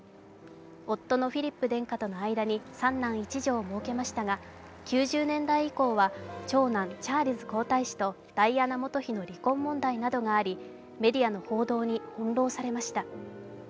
夫のフィリップ殿下との間に３男１女をもうけましたが、９０年代以降は長男・チャールズ皇太子とダイアナ元妃との離婚問題もありメディアに翻弄されました。